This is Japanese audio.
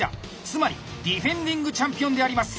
つまりディフェンディングチャンピオンであります。